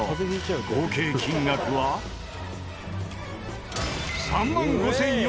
合計金額は３万５４２０円。